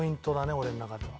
俺の中では。